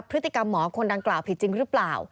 พฤติกรรมหมอคนดังกล่าวผิดจริงหรือเปล่า